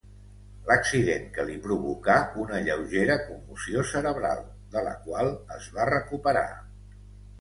L'accident que li provocà una lleugera commoció cerebral, de la qual es va recuperar.